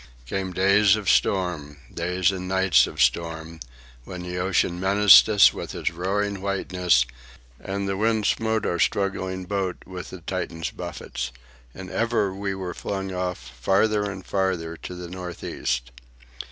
Came days of storm, days and nights of storm, when the ocean menaced us with its roaring whiteness, and the wind smote our struggling boat with a Titan's buffets. And ever we were flung off, farther and farther, to the north east.